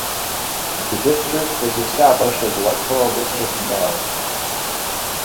The district was established as electoral district no.